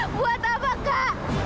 buat apa kak